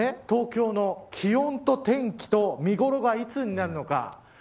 東京の気温と天気と見頃がいつになるのか。